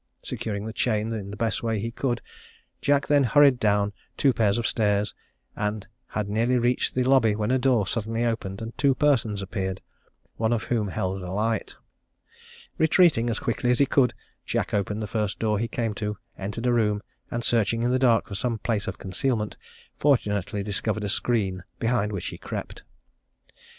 Securing the chain in the best way he could, Jack then hurried down two pair of stairs, and had nearly reached the lobby, when a door suddenly opened, and two persons appeared, one of whom held a light. Retreating as quickly as he could, Jack opened the first door he came to, entered a room, and searching in the dark for some place of concealment, fortunately discovered a screen, behind which he crept."